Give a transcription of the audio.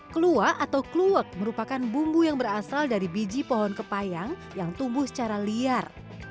kluwa atau kluwak merupakan bumbu yang berasal dari biji pohon kepayang yang tumbuh secara liar